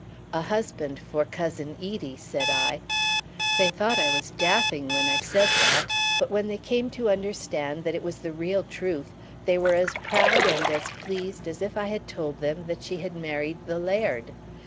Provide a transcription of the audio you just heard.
"A husband for Cousin Edie," said I. They thought I was daffing when I said that; but when they came to understand that it was the real truth, they were as proud and as pleased as if I had told them that she had married the laird.